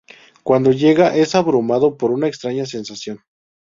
Cuando llega, es abrumado por una extraña sensación.